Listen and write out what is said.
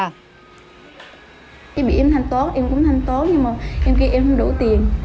em bị em thanh tốt em cũng thanh tốt nhưng mà em kêu em không đủ tiền